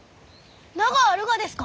名があるがですか！？